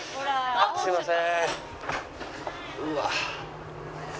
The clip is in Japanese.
あっすいません。